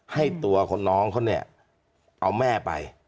ให้ตัวของน้องเขาเนี่ยเอาแม่ไป